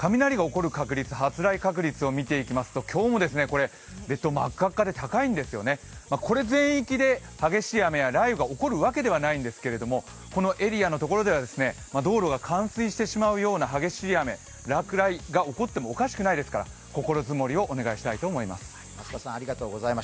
発雷確率を見ていきますと、今日も真っ赤っかでこれ全域で激しい雨や雷雨が起こるわけではないですけれども、このエリアのところでは道路が冠水してしまうような激しい雨や、落雷が起こってもおかしくないですから心づもりをお願いしたいと思います。